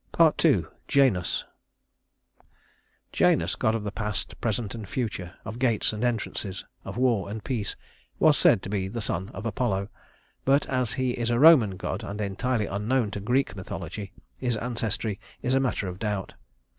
II. Janus Janus, god of the past, present, and future; of gates and entrances; of war and peace, was said to be the son of Apollo; but as he is a Roman god, and entirely unknown to Greek mythology, his ancestry is a matter of doubt.